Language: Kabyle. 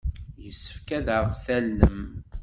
Yessefk ad aɣ-tallem.